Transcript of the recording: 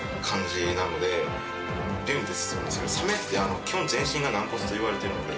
サメって基本全身が軟骨といわれてるので。